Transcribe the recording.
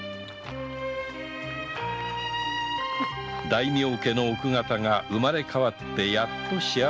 大名家の奥方が生まれ変わってやっと幸せを掴む